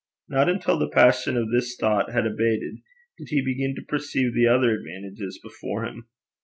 Not until the passion of this thought had abated, did he begin to perceive the other advantages before him.